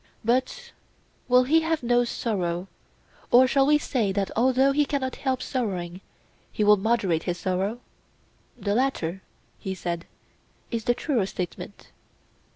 But will he have no sorrow, or shall we say that although he cannot help sorrowing, he will moderate his sorrow? The latter, he said, is the truer statement.